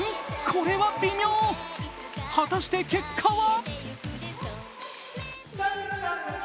これは微妙果たして結果は？